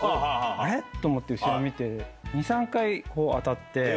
あれ？と思って後ろ見て２３回当たって。